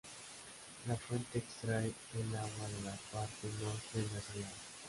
La fuente extrae el agua de la parte norte de la ciudad.